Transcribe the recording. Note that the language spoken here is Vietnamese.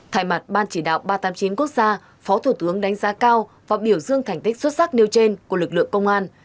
thay mặt ban chỉ đạo ba trăm tám mươi chín quốc gia phó thủ tướng đánh giá cao và biểu dương thành tích xuất sắc nêu trên của lực lượng công an